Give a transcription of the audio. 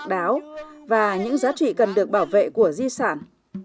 tuy nhất độc đáo và những giá trị cần được bảo vệ của di sản